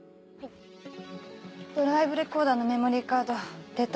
ドライブレコーダーのメモリーカードデータ